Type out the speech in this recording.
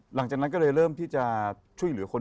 หลังจากนั้นก็เลยเริ่มที่จะช่วยเหลือคน